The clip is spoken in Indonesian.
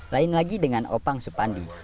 lain lagi dengan opang supandi